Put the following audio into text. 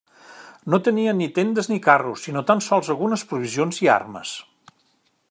No tenien ni tendes ni carros, sinó tan sols algunes provisions i armes.